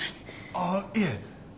あっいえ。